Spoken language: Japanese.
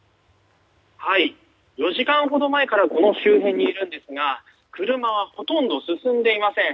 ４時間ほど前からこの周辺にいるんですが車はほとんど進んでいません。